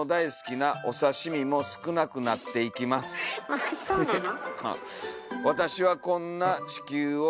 あっそうなの？